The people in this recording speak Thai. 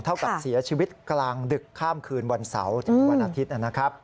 เท่ากับเสียชีวิตกลางดึกข้ามคืนวันเสาร์ถึงวันอาทิตย์นะครับ